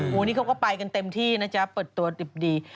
วันนี้เขาก็ไปกันเต็มที่นะจ๊ะเปิดตัวดิบดี